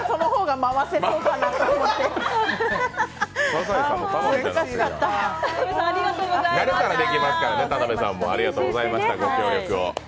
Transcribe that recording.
慣れたらできますからね、田辺さんも。ありがとうございました。